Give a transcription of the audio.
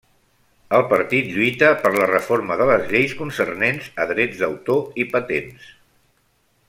El partit lluita per la reforma de les lleis concernents a drets d'autor i patents.